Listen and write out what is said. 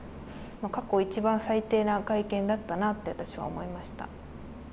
過去一番最低な会見だったなって、私は思いました。